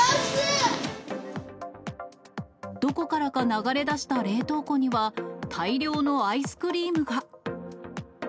どこからか流れ出した冷凍庫には、大量のアイスクリームが。